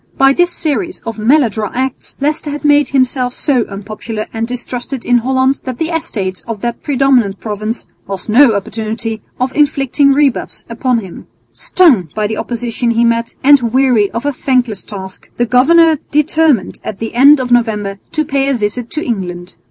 By this series of maladroit acts Leicester had made himself so unpopular and distrusted in Holland that the Estates of that predominant province lost no opportunity of inflicting rebuffs upon him. Stung by the opposition he met and weary of a thankless task, the governor determined at the end of November to pay a visit to England.